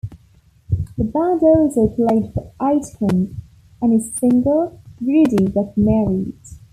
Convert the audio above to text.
The band also played for Aitken on his single, "Rudi Got Married".